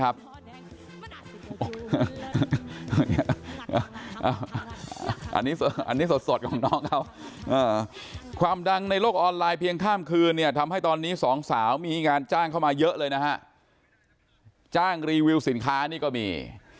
อันนี้สดของน้องเขาความดังในโลกออนไลน์เพียงข้ามคืนเนี่ยทำให้ตอนนี้สองสาวมีงานจ้างเข้ามาเยอะเลยนะฮะจ้างรีวิวสินค้านี่ก็มี